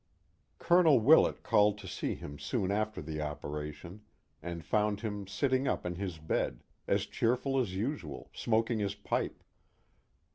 Colonel Willet called to see him soon after the operation and found him sitting up in his bed, as cheerful as usual, smoking his pipe.